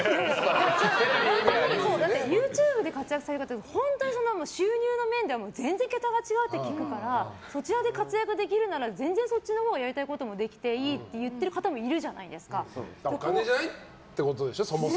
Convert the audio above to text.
ＹｏｕＴｕｂｅで活躍される方って本当に収入の面では全然、桁が違うって聞くからそちらで活躍できるなら全然そっちのほうがやりたいこともできていいって言う方もお金じゃないってことでしょ